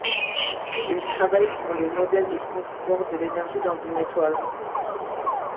Il travaille sur les modèles de transport de l'énergie dans une étoile.